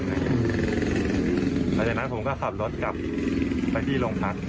หลังจากนั้นผมก็ขับรถกลับไปที่โรงพัก